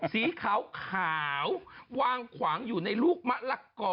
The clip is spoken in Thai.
สีขาววางขวางอยู่ในลูกมะละก่อ